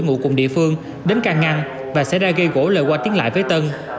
ngủ cùng địa phương đến càng ngăn và xảy ra gây gỗ lời qua tiếng lại với tân